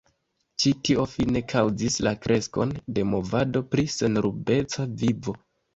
Ĉi tio fine kaŭzis la kreskon de movado pri senrubeca vivo.